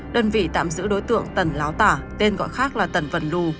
đơn vị tạm giữ đối tượng tần láo tả tên gọi khác là tần vật lù